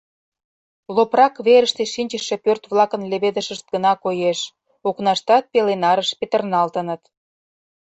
Лопрак верыште шинчыше пӧрт-влакын леведышышт гына коеш, окнаштат пеле нарыш петырналтыныт.